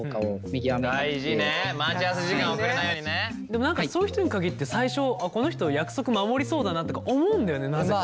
でも何かそういう人に限って最初この人約束守りそうだなとか思うんだよねなぜか。